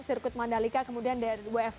sirkuit mandalika kemudian dari